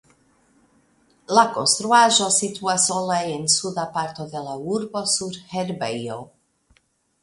La konstruaĵo situas sola en suda parto de la urbo sur herbejo.